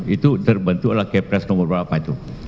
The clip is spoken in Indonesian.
itu terbentuklah kepres nomor berapa itu